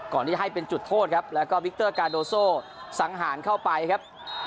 ก่อนที่จะให้เป็นจุดโทษครับแล้วก็วิกเตอร์กาโดโซสังหารเข้าไปครับ